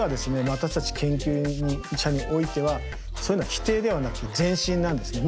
私たち研究者においてはそういうのは否定ではなくて前進なんですね。